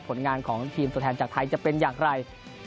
ผลงานของทีมตัวแทนจากไทยจะเป็นอย่างไร